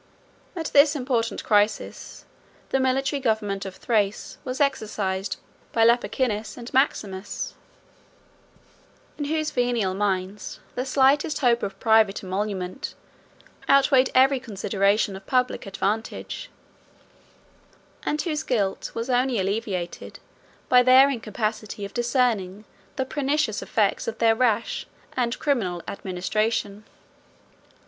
At this important crisis, the military government of Thrace was exercised by Lupicinus and Maximus, in whose venal minds the slightest hope of private emolument outweighed every consideration of public advantage; and whose guilt was only alleviated by their incapacity of discerning the pernicious effects of their rash and criminal administration.